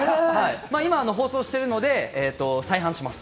今、放送しているので再販します。